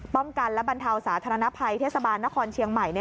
ป้องกันและบรรเทาสาธารณภัยเทศบาลนครเชียงใหม่